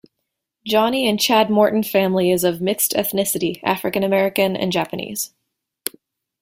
Johnnie and Chad Morton family is of mixed ethnicity, African-American and Japanese.